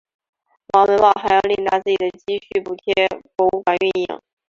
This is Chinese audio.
王文旺还要另拿自己的积蓄补贴博物馆运营。